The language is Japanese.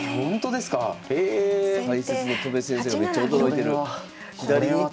解説の戸辺先生がめっちゃ驚いてる。